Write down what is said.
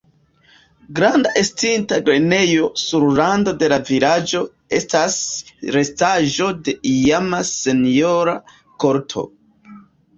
Granda estinta grenejo sur rando de la vilaĝo estas restaĵo de iama senjora korto.